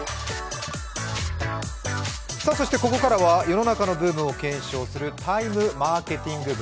そして、ここからは世の中のブームを検証する「ＴＩＭＥマーケティング部」。